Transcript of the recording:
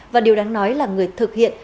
và điều đáng nói là người thực hiện